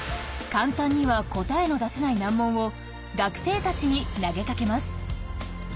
簡単には答えの出せない難問を学生たちに投げかけます。